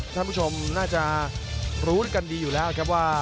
ท่านผู้ชมน่าจะรู้กันดีอยู่แล้วครับว่า